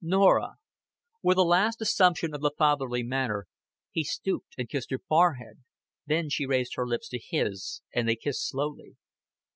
"Norah." With a last assumption of the fatherly manner he stooped and kissed her forehead. Then she raised her lips to his, and they kissed slowly.